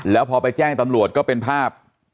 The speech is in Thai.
แล้วพอไปแจ้งตำรวจก็เป็นภาพ